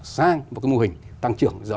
sang một cái mô hình tăng trưởng